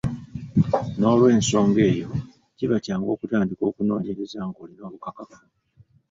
N’olw’ensonga eyo, kiba kyangu okutandika okunoonyereza ng’olina obukakafu.